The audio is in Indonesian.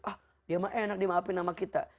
ah dia mah enak di maafin sama kita